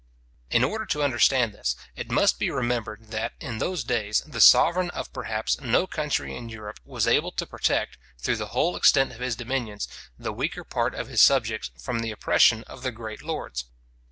In order to understand this, it must be remembered, that, in those days, the sovereign of perhaps no country in Europe was able to protect, through the whole extent of his dominions, the weaker part of his subjects from the oppression of the great lords.